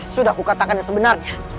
sudah kukatakan yang sebenarnya